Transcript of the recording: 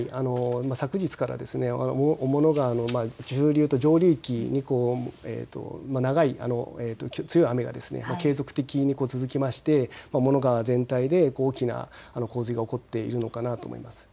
昨日から雄物川の中流と上流域に長い、強い雨が継続的に続きまして雄物川全体で大きな洪水が起こっているのかなと思います。